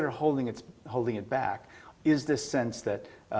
tapi hal hal yang mempertahankannya